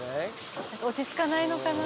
落ち着かないのかな。